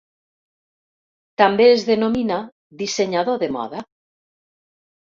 També es denomina dissenyador de moda.